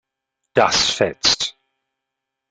Das fetzt.